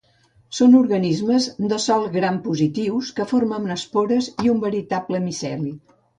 Són organismes de sòl gram-positius, que formen espores i un veritable miceli.